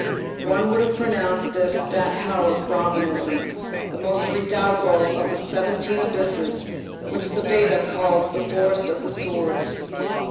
One would have pronounced this that hell of Brahmanism, the most redoubtable of the seventeen abysses, which the Veda calls the Forest of Swords.